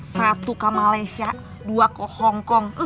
satu ke malaysia dua ke hongkong